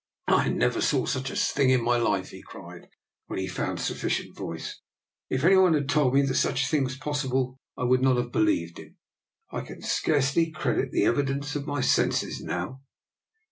" I never saw such a thing in my life," he cried, when he found sufficient voice. " If any one had told me that such a thing was possible I would not have believed him. I can scarcely credit the evidence of my senses now."